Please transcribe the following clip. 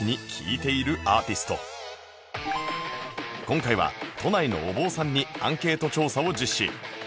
今回は都内のお坊さんにアンケート調査を実施